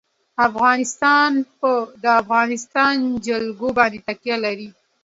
افغانستان په د افغانستان جلکو باندې تکیه لري.